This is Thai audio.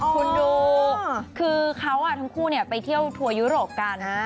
คุณดูคือเขาทั้งคู่ไปเที่ยวทัวร์ยุโรปกัน